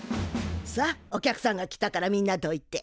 さあお客さんが来たからみんなどいて。